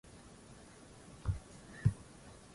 mwandishi huyo wa habari alirukia kwenye boti ya uokoaji